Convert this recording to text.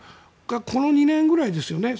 この２年ぐらいですよね。